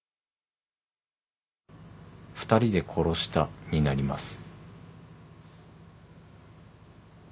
「２人で殺した」になります。